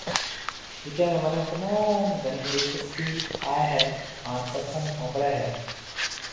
جڪيَ ۾ منک تموم گھڻِي دلچسپِي آئيَ هيَ هان ست سنگ ھونڀڙيَ هيَ